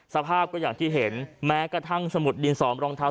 สภาพก็อย่างที่เห็นแม้กระทั่งสมุดดินสอมรองเท้า